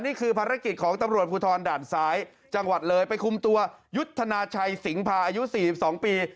นี่คือภารกิจของตำรวจภูทรด่านซ้ายจังหวัดเลยไปคุมตัวยุทธนาชัยสิงพาอายุ๔๒ปี